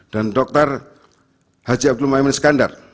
dan dr haji abdul maimil skandar